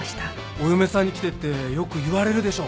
お嫁さんに来てってよく言われるでしょ？